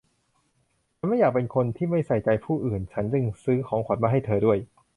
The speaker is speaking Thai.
ฉันไม่อยากเป็นคนที่ไม่ใส่ใจผู้อื่น ฉันจึงซื้อของขวัญมาให้เธอด้วย